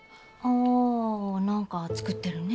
あ何か造ってるね。